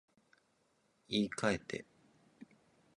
言い換えて